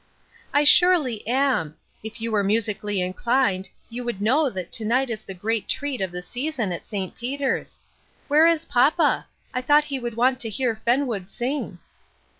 " I surely am. If you were musically inclined, you would know that to night is the great treat of the season at St. Peter's. Where is papa ? I thought he would want to hear Fenwood sing."